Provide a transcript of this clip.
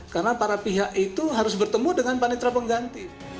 karena para pihak itu harus bertemu dengan panitera pengganti